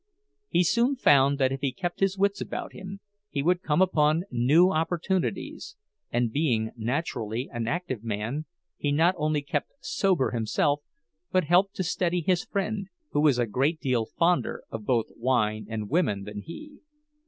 He soon found that if he kept his wits about him, he would come upon new opportunities; and being naturally an active man, he not only kept sober himself, but helped to steady his friend, who was a good deal fonder of both wine and women than he.